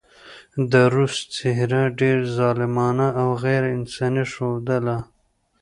د روس څهره ډېره ظالمانه او غېر انساني ښودله.